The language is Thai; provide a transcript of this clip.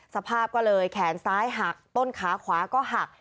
สภาพก็เลยแขนซ้ายหักต้นขาขวาก็หัก